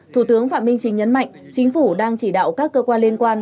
thủ tướng phạm minh chính nhấn mạnh chính phủ đang chỉ đạo các cơ quan liên quan